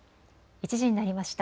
１時になりました。